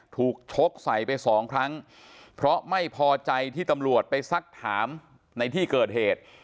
ชกใส่ไปสองครั้งเพราะไม่พอใจที่ตำรวจไปซักถามในที่เกิดเหตุ